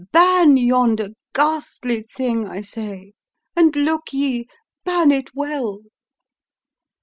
Ban yonder ghastly thing, I say; And, look ye, ban it well!